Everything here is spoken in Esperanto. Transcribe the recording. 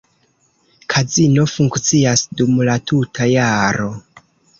Kazino funkcias dum la tuta jaro.